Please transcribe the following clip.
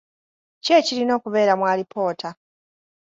Ki ekirina okubeera mu alipoota?